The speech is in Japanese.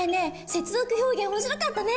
「接続表現」面白かったね。